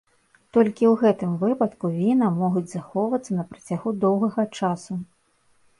Толькі ў гэтым выпадку віна могуць захоўвацца на працягу доўгага часу.